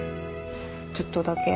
ちょっとだけ。